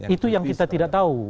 itu yang kita tidak tahu